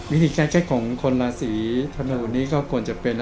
มิถิแค่ของคนราศีธรรมดุมนี้ก็กวนจะเป็น